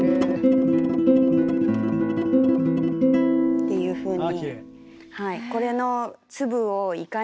っていうふうに。